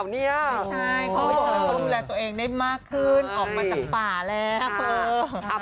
ไม่ใช่เขาดูแลตัวเองได้มากขึ้นออกมาจากป่าแล้ว